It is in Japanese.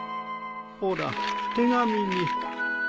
ほら手紙に。